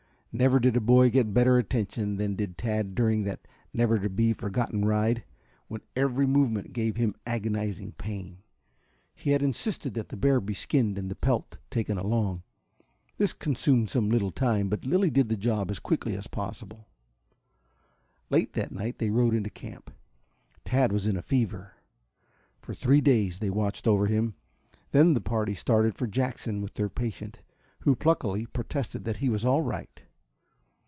Never did a boy get better attention than did Tad during that never to be forgotten ride, when every movement gave him agonizing pain. He had insisted that the bear be skinned and the pelt taken along. This consumed some little time, but Lilly did the job as quickly as possible. Late that night they rode into camp. Tad was in a fever. For three days they watched over him, then the party started for Jackson with their patient, who pluckily protested that he was all right.